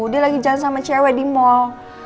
dia lagi jalan sama cewek di mall